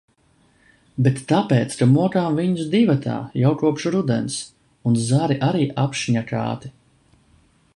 Bet tāpēc, ka mokām viņus divatā jau kopš rudens. Un zari arī apšņakāti.